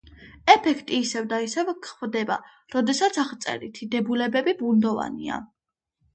ეფექტი ისევ და ისევ გვხვდება, როდესაც აღწერითი დებულებები ბუნდოვანია.